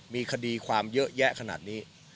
มีคดีความเยอะแยะขนาดนี้